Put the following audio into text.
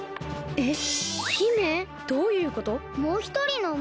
えっ？